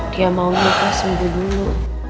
dia mau muka sembuh dulu